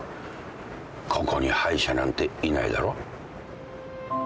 ここに敗者なんていないだろ？